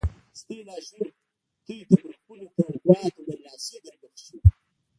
ستاسې لاشعور تاسې ته پر خپلو توقعاتو برلاسي دربښي.